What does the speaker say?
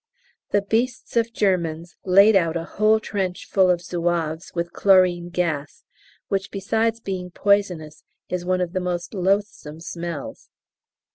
The beasts of Germans laid out a whole trench full of Zouaves with chlorine gas (which besides being poisonous is one of the most loathsome smells).